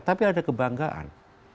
tapi ada kebanggaan